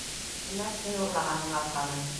Тимәк, һин урлағанһың алҡаны.